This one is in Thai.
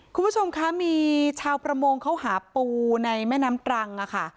คุณผู้ชมคะมีชาวประมงเขาหาปูในแม่น้ำตรังค่ะ